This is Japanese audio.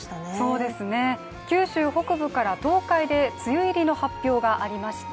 そうですね、九州北部から東海で梅雨入りの発表がありました。